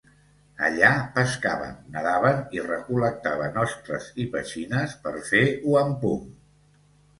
Allà pescaven, nedaven i recol·lectaven ostres i petxines per fer wampum.